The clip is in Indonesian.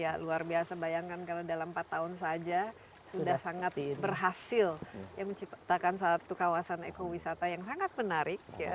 ya luar biasa bayangkan kalau dalam empat tahun saja sudah sangat berhasil menciptakan satu kawasan ekowisata yang sangat menarik ya